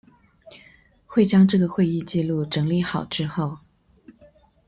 會將這個會議紀錄整理好之後